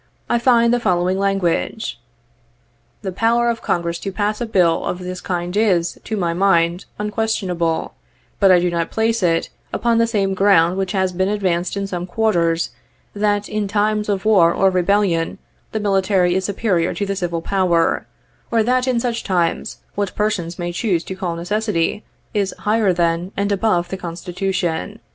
I find the following language: ' The power of Congress to pass a bill of this kind is, to my mind, unquestionable ; but I do not place it upon the same ground which has been advanced in some quarters, that in times of war or rebellion, the military is superior to the civil power; or that in such times , what persons may choose to call neces sity, is higher than, and above the Constitution.